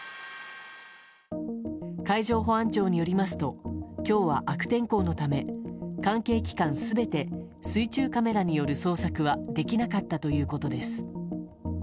海上保安庁によりますと今日は悪天候のため関係機関全て水中カメラによる捜索はできなかったということです。